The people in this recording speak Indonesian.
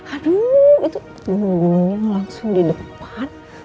aduu itu gunung gunungnya langsung di depan